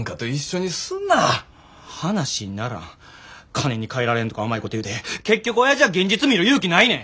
金にかえられんとか甘いこと言うて結局おやじは現実見る勇気ないねん。